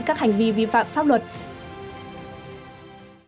các hành vi vi phạm pháp luật